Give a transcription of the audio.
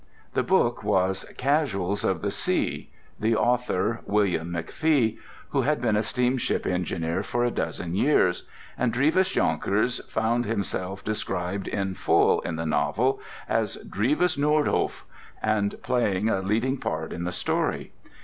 The book was "Casuals of the Sea," the author, William McFee, who had been a steamship engineer for a dozen years; and Drevis Jonkers found himself described in full in the novel as "Drevis Noordhof," and playing a leading part in the story.